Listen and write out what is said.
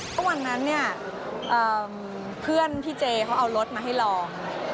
เพราะวันนั้นเนี่ยเพื่อนพี่เจเขาเอารถมาให้ลอง